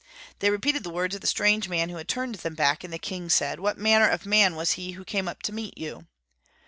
They repeated the words of the strange man who had turned them back; and the king said: "What manner of man was he who came up to meet you?"